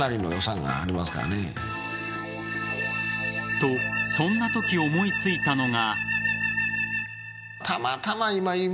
と、そんなとき思いついたのが。